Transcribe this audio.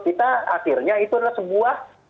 kita akhirnya itu adalah sebuah